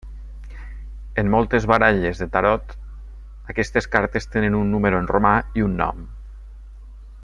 En moltes baralles de Tarot, aquestes cartes tenen un número en romà i un nom.